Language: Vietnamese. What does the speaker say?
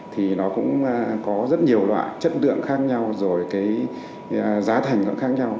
thì nó cũng có rất nhiều loại chất lượng khác nhau rồi cái giá thành nó khác nhau